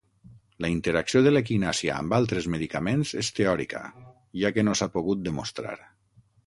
La interacció de l'equinàcia amb altres medicaments és teòrica, ja que no s'ha pogut demostrar.